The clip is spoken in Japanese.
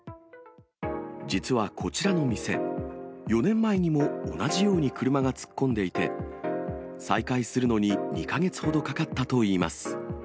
実はこちらの店、４年前にも同じように車が突っ込んでいて、再開するのに２か月ほどかかったといいます。